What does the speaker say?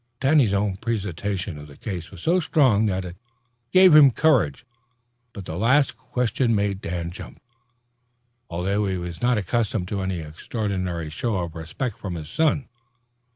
Danny's own presentation of the case was so strong that it gave him courage. But the last question made Dan jump, although he was not accustomed to any extraordinary show of respect from his son.